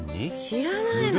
知らないの？